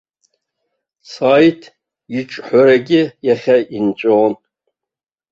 Саид иҿҳәарагьы иахьа инҵәон.